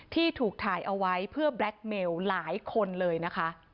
ที่ถูกถ่ายเอาไว้เพื่อแบล็คเมลหลายคนเลยนะคะ